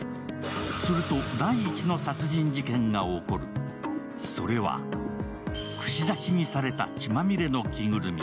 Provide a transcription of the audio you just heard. すると、第一の殺人事件が起こるそれは串刺しにされた血まみれの着ぐるみ。